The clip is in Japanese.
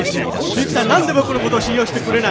ミユキさん何で僕のこと信用してくれない！？